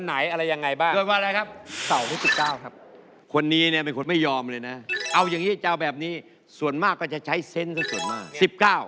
อันนเนี้ยมเป็นแต่ธรรมดาครับ